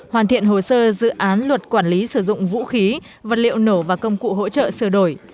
hoàn thiện hồ sơ dự án luật quản lý sử dụng vũ khí vật liệu nổ và công cụ hỗ trợ sửa đổi